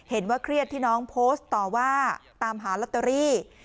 เครียดที่น้องโพสต์ต่อว่าตามหาลอตเตอรี่